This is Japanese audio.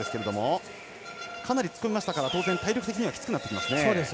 かなり突っ込みましたから体力的にはきつくなってきますね。